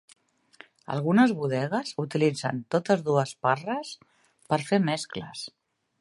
Algunes bodegues utilitzen totes dues parres per fer mescles.